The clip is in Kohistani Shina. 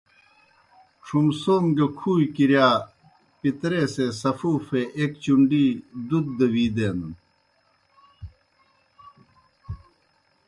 ڇُھمسَون گہ کُھوئے کِرِیا پِتریسے سفوفے ایْک چُنڈی دُت دہ وی دینَن۔